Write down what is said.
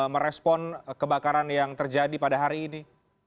merespon kebakaran yang terjadi pada hari ini